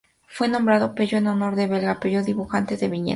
Fue nombrado Peyo en honor al belga Peyo dibujante de viñetas.